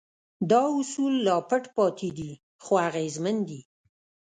دا اصول لا پټ پاتې دي خو اغېزمن دي.